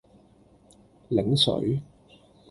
檸水